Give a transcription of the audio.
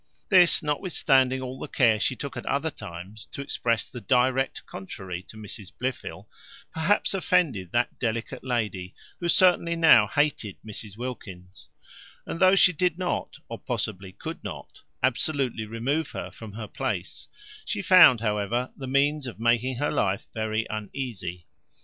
This, notwithstanding all the care she took at other times to express the direct contrary to Mrs Blifil, perhaps offended that delicate lady, who certainly now hated Mrs Wilkins; and though she did not, or possibly could not, absolutely remove her from her place, she found, however, the means of making her life very uneasy.